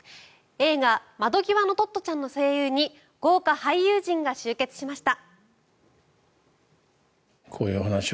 映画「窓ぎわのトットちゃん」の声優に豪華俳優陣が集結しました。